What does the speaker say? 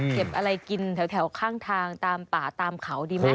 เก็บอะไรกินแถวข้างทางตามป่าตามเขาดีไหม